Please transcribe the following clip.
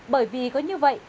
bởi vì có như vậy